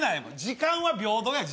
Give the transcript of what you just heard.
時間は平等や。